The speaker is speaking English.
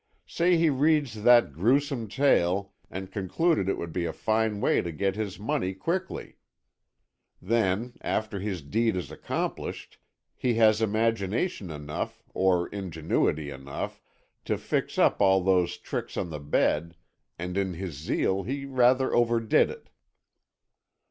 Say he read that gruesome tale, and concluded it would be a fine way to get his money quickly. Then, after his deed is accomplished, he has imagination enough, or ingenuity enough to fix up all those tricks on the bed, and in his zeal he rather overdid it."